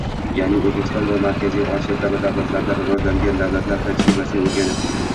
Yaʼni Oʻzbekiston va Markaziy Osiyo kabi davlatlarda rivojlangan davlatlar tajribasini oʻrganib